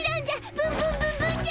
ブンブンブンブンじゃ！